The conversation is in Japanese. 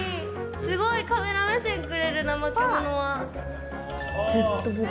すごいカメラ目線くれる、ナマケモノが。